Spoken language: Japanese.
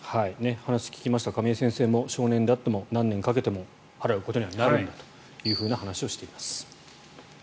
話を聞きました亀井先生も少年であっても何年かけても払うことにはなるんだという話をしています。